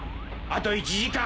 あと１時間。